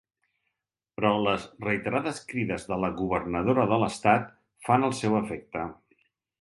Però les reiterades crides de la governadora de l'estat fan el seu efecte.